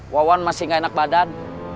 wawan masih gak enak badan